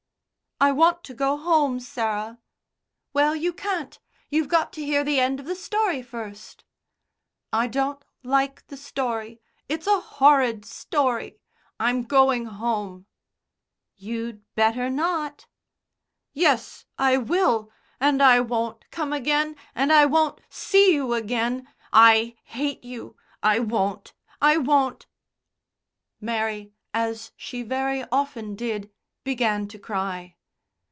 "I want to go home, Sarah." "Well, you can't. You've got to hear the end of the story first." "I don't like the story. It's a horrid story. I'm going home." "You'd better not." "Yes, I will, and I won't come again, and I won't see you again. I hate you. I won't. I won't." Mary, as she very often did, began to cry.